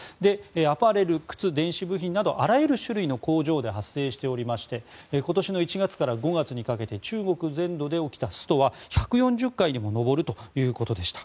アパレル、靴、電子部品などあらゆる種類の工場で発生しておりまして今年１月から５月にかけて中国全土で起きたストは１４０回に上るということです。